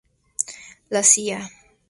La Cía.